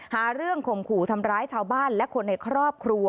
หาเรื่องข่มขู่ทำร้ายชาวบ้านและคนในครอบครัว